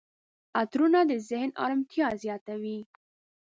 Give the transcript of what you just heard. عطرونه د ذهن آرامتیا زیاتوي.